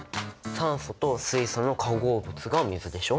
酸素と水素の化合物が水でしょ。